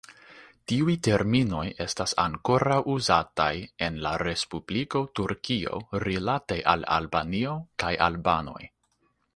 Tiuj terminoj estas ankoraŭ uzataj en la Respubliko Turkio rilate al Albanio kaj albanoj.